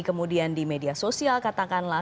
kemudian di media sosial katakanlah